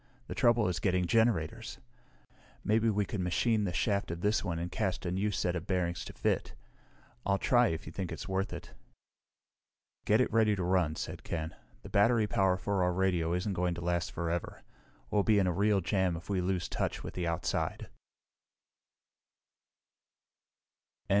The trouble is getting generators. Maybe we could machine the shaft of this one and cast a new set of bearings to fit. I'll try if you think it's worth it." "Get it ready to run," said Ken. "The battery power for our radio isn't going to last forever. We'll be in a real jam if we lose touch with the outside."